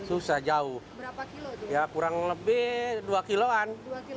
susah jauh kurang lebih dua kiloan